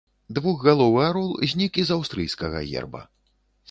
Двухгаловы арол знік і з аўстрыйскага герба.